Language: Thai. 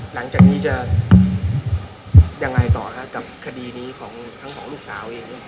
หลังจากนี้จะยังไงต่อครับกับคดีนี้ของทั้งของลูกสาวเอง